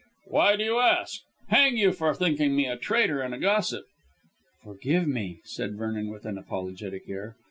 Why do you ask? Hang you, for thinking me a traitor and a gossip." "Forgive me," said Vernon with an apologetic air.